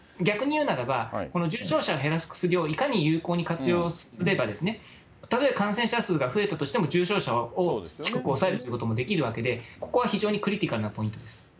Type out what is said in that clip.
逆に言うならば、この重症者を減らす薬をいかに有効に活用すれば、たとえ感染者数が増えたとしても、重症者を低く抑えるということもできるわけで、ここは非常にクリティカルなポイントです。